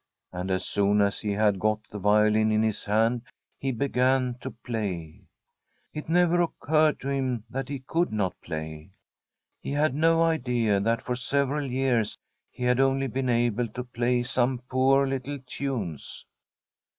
And as soon as he had got the violin in his hand he began to play. It never oc curred to him that he could not play. He had no idea that for several years he had only been able to play some poor little tunes.